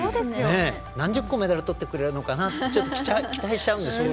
何十個メダルとってくれるのかなとちょっと期待しちゃうんですけど。